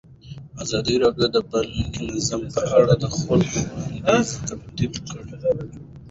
ازادي راډیو د بانکي نظام په اړه د خلکو وړاندیزونه ترتیب کړي.